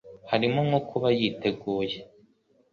harimo nko kuba yiteguye